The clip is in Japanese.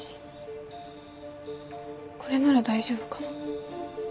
これなら大丈夫かな？